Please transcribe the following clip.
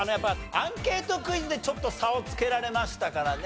アンケートクイズでちょっと差をつけられましたからね。